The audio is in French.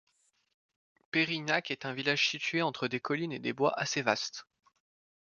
Peyrignac est un village situé entre des collines et des bois assez vastes.